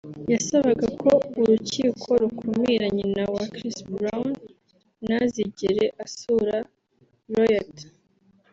yasabaga ko urukiko rukumira nyina wa Chris Brown ntazigere asura Royalty